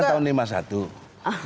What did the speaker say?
lahir ibunya tahun lima puluh satu